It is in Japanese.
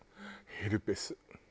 ヘルペス？